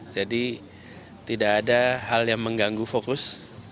jadi tidak ada hal yang mengganggu fokus